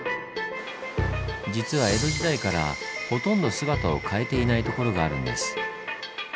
実は江戸時代からほとんど姿を変えていないところがあるんです。